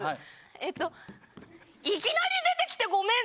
えーと、いきなり出てきてごめん。